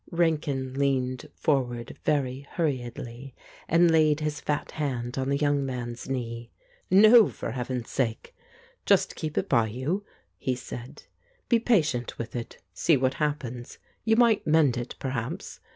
Rankin leaned forward very hurriedly, and laid his fat hand on the young man's knee. "No, for Heaven's sake I Just keep it by you," he said. "Be patient with it. See what happens. You might mend it, perhaps.